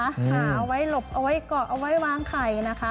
หาเอาไว้หลบเอาไว้เกาะเอาไว้วางไข่นะคะ